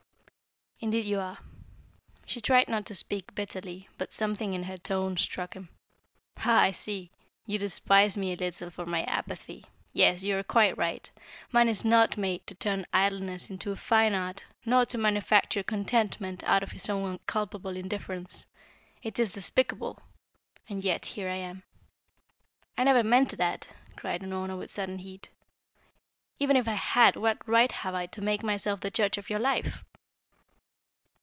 "Indeed you are." She tried not to speak bitterly, but something in her tone struck him. "Ah, I see! You despise me a little for my apathy. Yes, you are quite right. Man is not made to turn idleness into a fine art, nor to manufacture contentment out of his own culpable indifference! It is despicable and yet, here I am." "I never meant that," cried Unorna with sudden heat. "Even if I had, what right have I to make myself the judge of your life?"